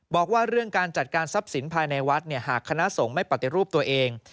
บอกว่าเรื่องการจัดการทรัพย์สินภายในวัดหากคณะสงฆ์ไม่ปฏิรูปตัวเอง